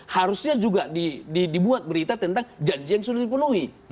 harusnya juga dibuat berita tentang janji yang sudah dipenuhi